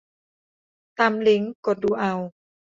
ตามลิงก์ กดดูเอา